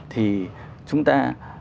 thì chúng ta